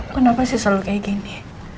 kenapa sih selalu kayak gini